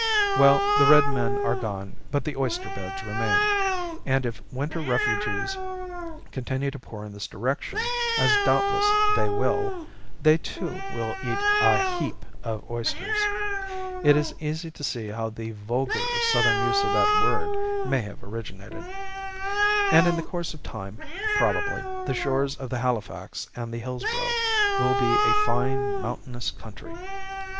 Well, the red men are gone, but the oyster beds remain; and if winter refugees continue to pour in this direction, as doubtless they will, they too will eat a "heap" of oysters (it is easy to see how the vulgar Southern use of that word may have originated), and in the course of time, probably, the shores of the Halifax and the Hillsborough will be a fine mountainous country!